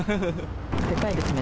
でかいですね。